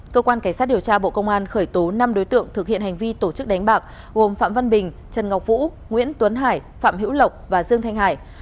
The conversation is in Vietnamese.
cơ quan cảnh sát điều tra bộ công an khởi tố năm đối tượng thực hiện hành vi tổ chức đánh bạc gồm phạm văn bình trần ngọc vũ nguyễn tuấn hải phạm hữu lộc và dương thanh hải